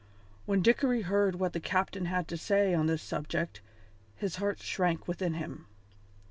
When Dickory heard what the captain had to say on this subject his heart shrank within him.